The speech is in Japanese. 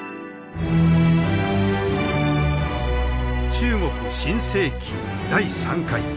中国新世紀第３回。